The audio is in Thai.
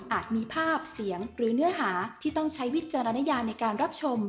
มีภาพเสียงหรือเนื้อหาที่ต้องใช้วิจารณญาในการรับชม